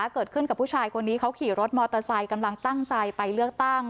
เกิดขึ้นกับผู้ชายคนนี้เขาขี่รถมอเตอร์ไซค์กำลังตั้งใจไปเลือกตั้ง